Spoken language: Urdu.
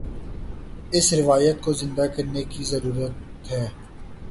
اس روایت کو زندہ کرنے کی ضرورت ہے۔